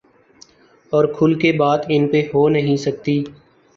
اورکھل کے بات ان پہ ہو نہیں سکتی۔